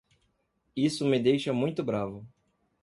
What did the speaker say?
Isso me deixa muito bravo.